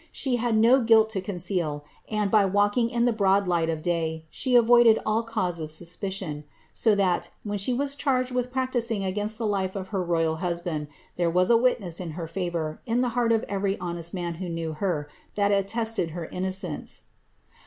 She had no guilt to conceal, and, by walking in the broad light of day, she avoided all cause of suspicion ; so that, when she vis cliarged with practising against the life of her royal husband, there wis a witness in her favour, in the heart of every honest man who knew her, that attested her innocence.